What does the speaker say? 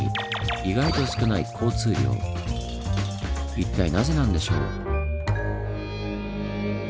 一体なぜなんでしょう？